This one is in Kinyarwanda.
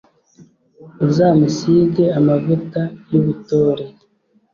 uzamusige amavuta y'ubutore